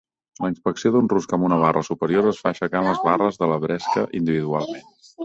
La inspecció d'un rusc amb una barra superior es fa aixecant les barres de la bresca individualment.